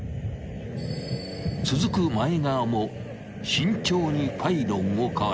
［続く前川も慎重にパイロンをかわし